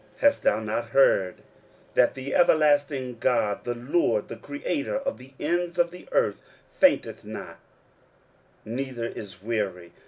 hast thou not heard, that the everlasting God, the LORD, the Creator of the ends of the earth, fainteth not, neither is weary?